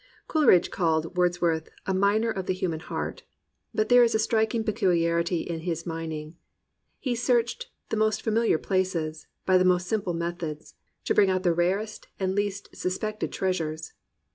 Coleridge called Wordsworth "a miner of the human heart." But there is a striking peculiarity in his mining: he searched the most familiar places, by the most simple methods, to bring out the rarest and least suspected treasures.